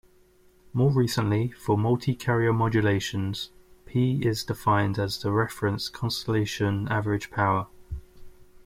More recently, for multi-carrier modulations, P is defined as the reference constellation average power.